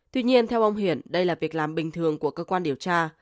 tuy nhiên theo ông hiển đây là việc làm bình thường của cơ quan điều tra